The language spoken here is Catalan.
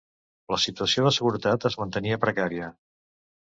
La situació de seguretat es mantenia precària.